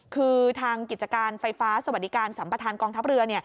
คือทางกิจการไฟฟ้าสวัสดิการสัมประธานกองทัพเรือ